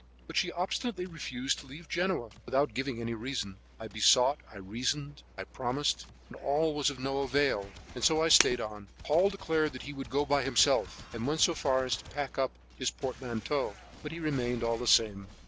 But she obstinately refused to leave Genoa, without giving any reason. I besought, I reasoned, I promised, but all was of no avail, and so I stayed on. Paul declared that he would go by himself, and went so far as to pack up his portmanteau; but he remained all the same.